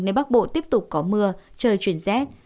nên bắc bộ tiếp tục có mưa trời chuyển rét